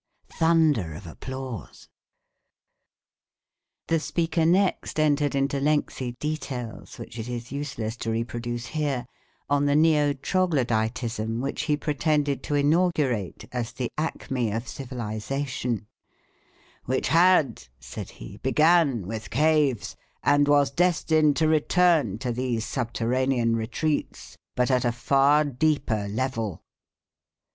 (Thunder of applause.) The speaker next entered into lengthy details, which it is useless to reproduce here, on the Neo troglodytism which he pretended to inaugurate as the acme of civilisation, "which had," said he, "began with caves, and was destined to return to these subterranean retreats, but at a far deeper level."